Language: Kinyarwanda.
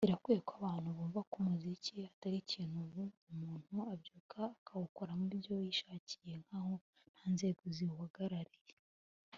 Birakwiye ko abantu bumva ko umuziki atari ikintu ubu umuntu abyuka akawukoramo ibyo yishakiye nkaho nta nzego ziwuhagarariye